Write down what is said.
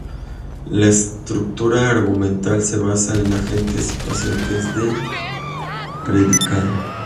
La estructura argumental se basa en agentes y pacientes del predicado.